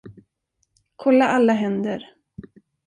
Kolla alla händer.